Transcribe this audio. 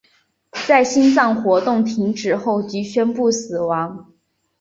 在心脏活动停止后即宣布死亡。